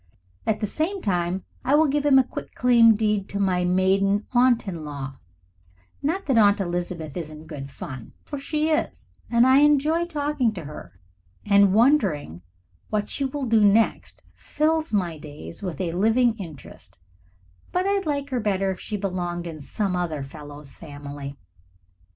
At the same time I will give him a quit claim deed to my maiden aunt in law not that Aunt Elizabeth isn't good fun, for she is, and I enjoy talking to her, and wondering what she will do next fills my days with a living interest, but I'd like her better if she belonged in some other fellow's family.